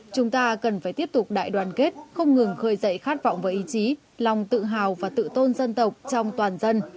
chúng ta cần phải tiếp tục đại đoàn kết không ngừng khơi dậy khát vọng và ý chí lòng tự hào và tự tôn dân tộc trong toàn dân